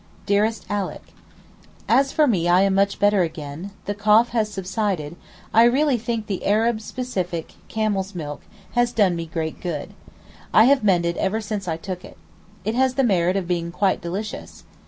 DEAREST ALICK, As for me I am much better again; the cough has subsided, I really think the Arab specific, camel's milk, has done me great good. I have mended ever since I took it. It has the merit of being quite delicious.